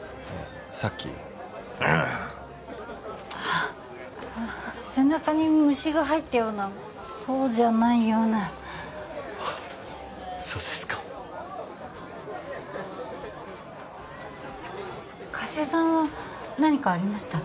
あ背中に虫が入ったようなそうじゃないようなあそうですか加瀬さんは何かありました？